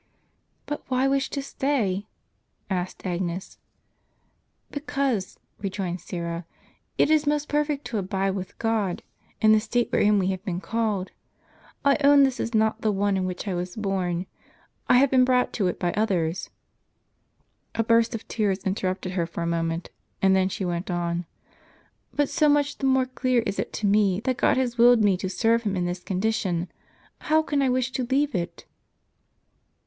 " But why wish to stay? " asked Agnes. "Because," rejoined Syra, "it is most perfect to abide with God, in the state wherein we have been called.* I own this is not the one in which I was born ; I have been brought to it by others." A burst of tears interrupted her for a moment, and then she went on. "But so much the more clear is it to me, that God has willed me to serve Him in this condition. How can I wish to leave it?